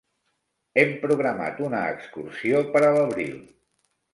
Hem programat una excursió per a l'abril.